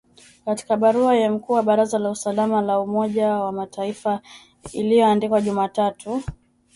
Katika barua kwa mkuu wa Baraza la Usalama la Umoja wa Mataifa iliyoandikwa Jumatatu